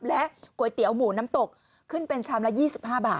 และก๋วยเตี๋ยวหมูน้ำตกขึ้นเป็นชามละ๒๕บาท